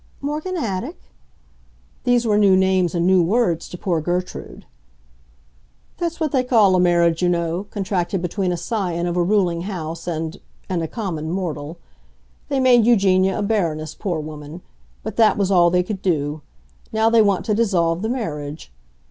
"Morganatic?" These were new names and new words to poor Gertrude. "That's what they call a marriage, you know, contracted between a scion of a ruling house and—and a common mortal. They made Eugenia a Baroness, poor woman; but that was all they could do. Now they want to dissolve the marriage.